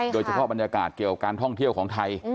โดยเฉพาะบรรยากาศเกี่ยวกับการท่องเที่ยวของไทย